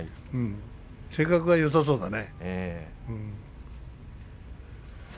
性格がよさそうだね。